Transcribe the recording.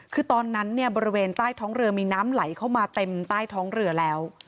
คือตอนนั้นเนี่ยบริเวณใต้ท้องเรือมีน้ำไหลเข้ามาเต็มใต้ท้องเรือแล้ว